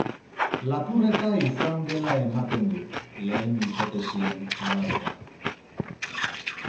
Lapurreta izan dela ematen du, lehen hipotesien arabera.